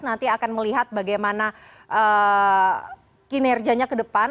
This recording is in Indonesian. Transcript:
nanti akan melihat bagaimana kinerjanya ke depan